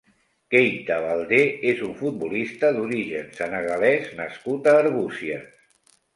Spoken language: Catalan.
Keita Baldé és un futbolista d'origen senegalès nascut a Arbúcies.